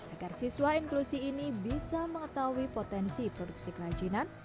agar siswa inklusi ini bisa mengetahui potensi produksi kerajinan